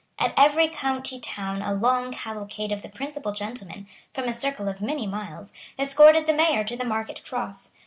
At every county town a long cavalcade of the principal gentlemen, from a circle of many miles, escorted the mayor to the market cross.